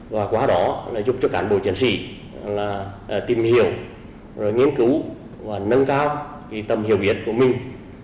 và qua đó giúp cho cán bộ chiến sĩ tìm hiểu nghiên cứu và nâng cao tầm hiểu biết của mình